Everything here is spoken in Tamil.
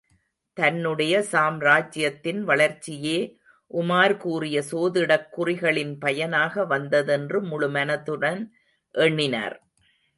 தன்னுடைய சாம்ராஜ்யத்தின் வளர்ச்சியே, உமார் கூறிய சோதிடக்குறிகளின் பயனாக வந்ததென்று முழு மனதுடன் எண்ணினார்.